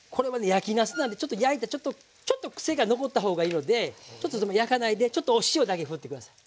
焼きなすなんでちょっと焼いてちょっとクセが残った方がいいのでちょっとでも焼かないでちょっとお塩だけふって下さい。